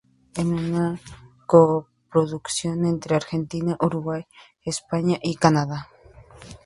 Es una coproducción entre Argentina, Uruguay, España y Canadá.